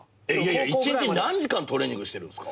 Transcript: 一日何時間トレーニングしてるんすか？